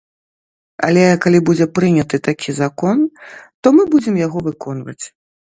Але калі будзе прыняты такі закон, то мы будзем яго выконваць.